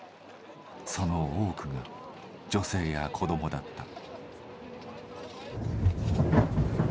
その多くが女性や子どもだった。